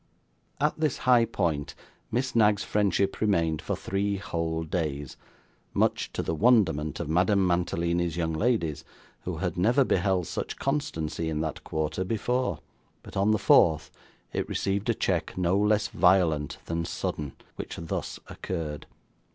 At this high point, Miss Knag's friendship remained for three whole days, much to the wonderment of Madame Mantalini's young ladies who had never beheld such constancy in that quarter, before; but on the fourth, it received a check no less violent than sudden, which thus occurred.